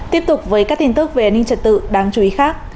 tiếp tục với các tin tức về an ninh trật tự đáng chú ý khác